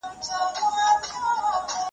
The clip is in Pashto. چي دا سپین ږیري دروغ وايي که ریشتیا سمېږي `